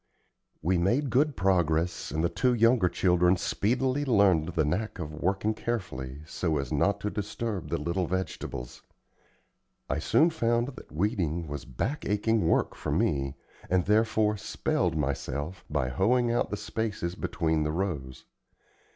We made good progress, and the two younger children speedily learned the knack of working carefully, so as not to disturb the little vegetables. I soon found that weeding was back aching work for me, and therefore "spelled" myself by hoeing out the spaces between the rows.